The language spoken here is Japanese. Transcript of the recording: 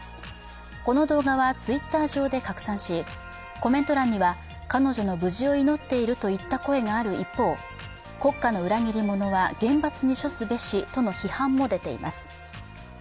この動画はＴｗｉｔｔｅｒ上で拡散し、コメント欄には彼女の無事を祈っているといった声がある一方、国家の裏切り者は厳罰に処すべしとの批判も出ています。